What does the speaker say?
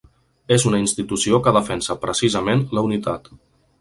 És una institució que defensa precisament la unitat.